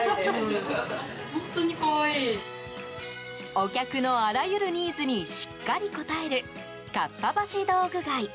お客のあらゆるニーズにしっかり応えるかっぱ橋道具街。